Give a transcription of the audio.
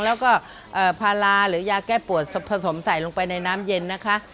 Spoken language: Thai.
แล้วก็พาราหรือยาแก้ปวดผสมใส่ลงไปในน้ำเย็นนะคะ